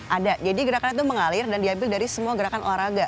ada jadi gerakan itu mengalir dan diambil dari semua gerakan olahraga